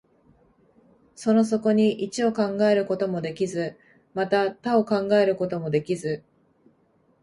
その底に一を考えることもできず、また多を考えることもできず、